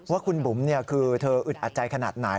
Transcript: ว่าคุณบุ๋มคือเธออึดอัดใจขนาดไหน